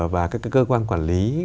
và các cơ quan quản lý